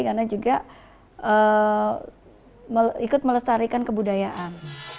karena juga ikut melestarikan kebudayaan